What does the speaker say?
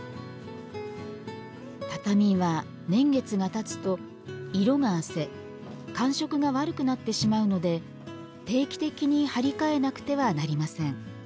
畳は年月がたつと色があせ感触が悪くなってしまうので定期的に張り替えなくてはなりません。